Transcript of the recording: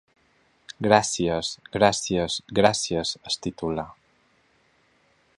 Gràcies, gràcies, gràcies, es titula.